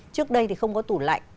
trước đây thì không có tủ lạnh